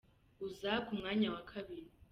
uza ku mwanya wa kabiri.